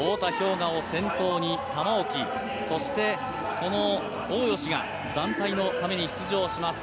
雅を先頭に玉置そして、大吉が団体のために出場します。